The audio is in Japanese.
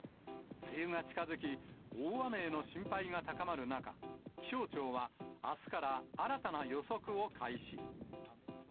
梅雨が近づき、大雨への心配が高まる中、気象庁はあすから新たな予測を開始。